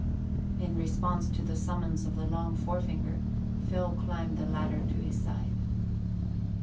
In response to the summons of the long forefinger, Phil climbed the ladder to his side.